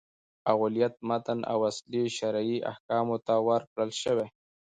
اولویت متن او اصلي شرعي احکامو ته ورکړل شوی.